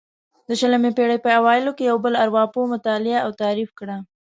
د شلمې پېړۍ په اوایلو یو بل ارواپوه مطالعه او تعریف کړه.